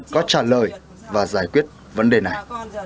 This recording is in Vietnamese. có trả lời và giải quyết vấn đề này